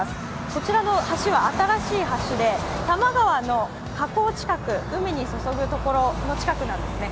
こちらの橋は新しい橋で多摩川の河口近く、海にめんしているところなんですね。